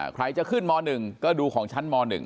ใครจะขึ้นม๑ก็ดูของชั้นม๑